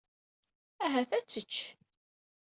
Ahat ad tečč.